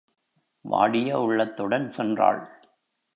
வாடிய உள்ளத்துடன் சென்றாள்.